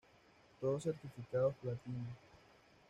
Todos certificados platino.